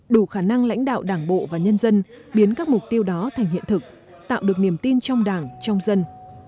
đủ khả năng lãnh đạo đảng bộ và nhân dân biến các mục tiêu đó thành hiện thực tạo được niềm tin trong đảng trong dân